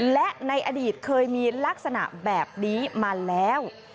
และในอดีตเคยมีลักษณะแบบนี้มาแล้ว